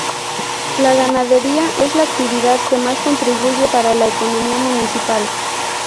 La ganadería es la actividad que más contribuye para la economía municipal.